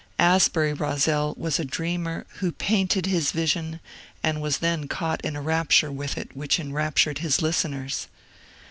Asbury Roszel was a dreamer who painted his vision and was then caught in a rapture with it which enraptured his listeners.